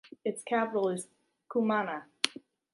It’s capital is Cumaná.